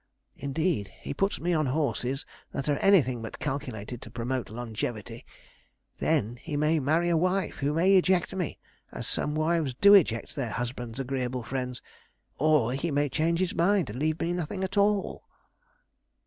Indeed, he puts me on horses that are anything but calculated to promote longevity. Then he may marry a wife who may eject me, as some wives do eject their husbands' agreeable friends; or he may change his mind, and leave me nothing after all.'